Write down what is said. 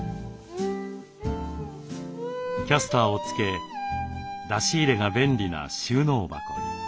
キャスターを付け出し入れが便利な収納箱に。